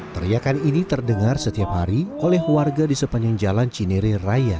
teriakan ini terdengar setiap hari oleh warga di sepanjang jalan cineri raya